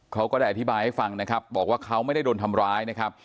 ก็ได้อธิบายให้ฟังนะครับบอกว่าเขาไม่ได้โดนทำร้ายนะครับ